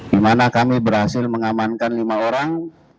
di mana kami berhasil mengamankan lima orang